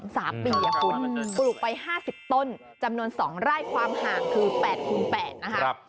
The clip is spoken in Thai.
สาปีอย่างคุณปลูกไป๕๐ต้นจำนวน๒ไร่ความห่างคือ๘คูณ๘นะฮะ